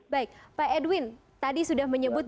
baik pak edwin tadi sudah menyebut